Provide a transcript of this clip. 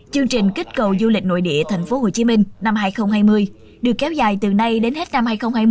chương trình kích cầu du lịch nội địa thành phố hồ chí minh năm hai nghìn hai mươi được kéo dài từ nay đến hết năm hai nghìn hai mươi